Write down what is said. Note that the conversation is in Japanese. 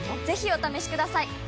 ぜひお試しください！